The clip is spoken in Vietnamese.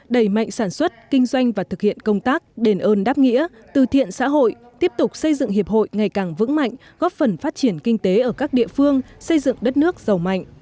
đẩy mạnh sản xuất kinh doanh và thực hiện công tác đền ơn đáp nghĩa từ thiện xã hội tiếp tục xây dựng hiệp hội ngày càng vững mạnh góp phần phát triển kinh tế ở các địa phương xây dựng đất nước giàu mạnh